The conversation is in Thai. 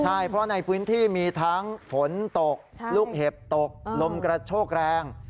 ใช่เพราะในพื้นที่มีทั้งฝนตกลูกเห็บตกลมกระโชกแรง